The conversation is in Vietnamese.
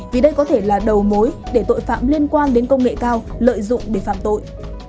vì đây có thể là đầu mối để tội phạm liên quan đến công nghệ cao lợi dụng để phạm tội